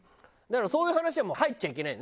だからそういう話はもう入っちゃいけないんだよね